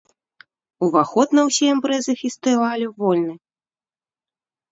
Уваход на ўсе імпрэзы фестывалю вольны.